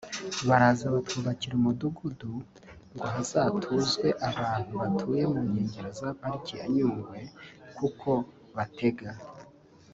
Baraza batwubakira umudugudu ngo hazatuzwe abantu batuye mu nkengero za Pariki ya Nyungwe kuko batega